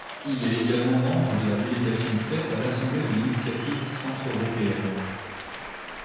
Il est également membre de la délégation serbe à l'Assemblée de l'Initiative centre-européenne.